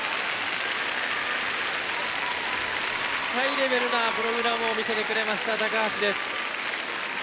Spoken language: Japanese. ハイレベルなプログラムを見せてくれました橋です。